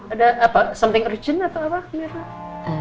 ada apa something urgent atau apa